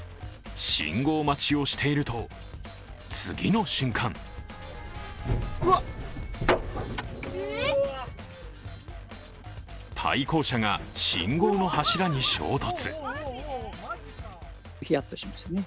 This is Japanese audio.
信号待ちをしていると、次の瞬間対向車が信号の柱に衝突。